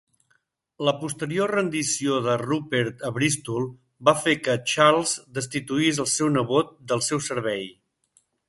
La posterior rendició de Rupert a Bristol va fer que Charles destituís al seu nebot del seu servei.